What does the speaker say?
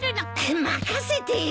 任せてよ。